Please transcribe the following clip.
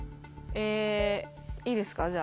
えいいですか？